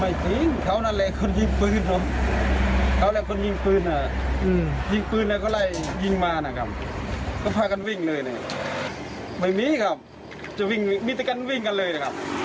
จริงเขานั่นแหละคนยิงปืนผมเอาแหละคนยิงปืนอ่ะยิงปืนแล้วก็ไล่ยิงมานะครับก็พากันวิ่งเลยเนี่ยไม่มีครับจะวิ่งมีแต่กันวิ่งกันเลยนะครับ